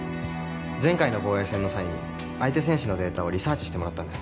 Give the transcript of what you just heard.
前回の防衛戦の際に相手選手のデータをリサーチしてもらったんで。